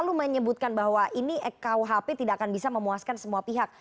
lalu menyebutkan bahwa ini kuhp tidak akan bisa memuaskan semua pihak